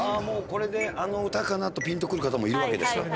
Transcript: もうこれであの歌かなとピンとくる方もいるわけです。